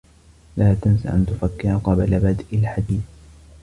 لا تنس أن تفكّر قبل بدأ الحديث.